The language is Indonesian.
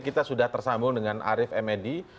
kita sudah tersambung dengan arief emedi